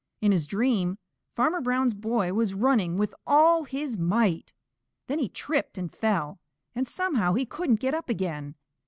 In his dream Farmer Brown's boy was running with all his might. Then he tripped and fell, and somehow he couldn't get up again.